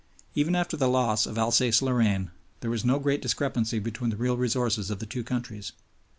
Even after the loss of Alsace Lorraine there was no great discrepancy between the real resources of the two countries.